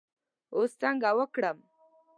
اوس څنګه وکړم.